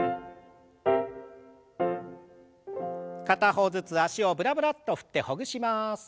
片方ずつ脚をブラブラッと振ってほぐします。